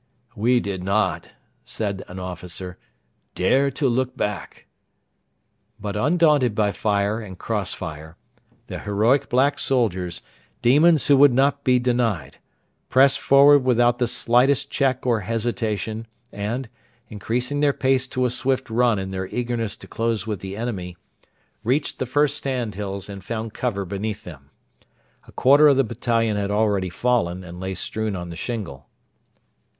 'We did not,' said an officer, 'dare to look back.' But undaunted by fire and cross fire, the heroic black soldiers demons who would not be denied pressed forward without the slightest check or hesitation, and, increasing their pace to a swift run in their eagerness to close with the enemy, reached the first sandhills and found cover beneath them. A quarter of the battalion had already fallen, and lay strewn on the shingle.